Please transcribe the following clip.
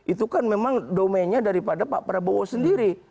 itu kan memang domainnya daripada pak prabowo sendiri